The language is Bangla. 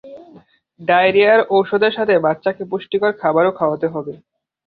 ডায়রিয়ার ঔষধের সাথে বাচ্চাকে পুষ্টিকর খাবারও খাওয়াতে হবে।